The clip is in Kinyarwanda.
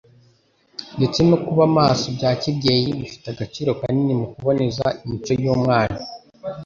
ndetse no kuba maso bya kibyeyi bifite agaciro kanini mu kuboneza imico y'Umwana.